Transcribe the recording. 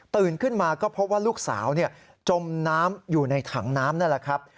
ขึ้นมาก็พบว่าลูกสาวจมน้ำอยู่ในถังน้ำนั่นแหละครับ